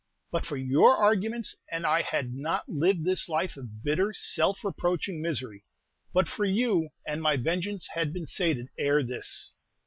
But for your arguments, and I had not lived this life of bitter, self reproaching misery; but for you, and my vengeance had been sated ere this!"